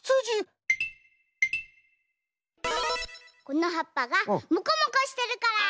このはっぱがモコモコしてるから。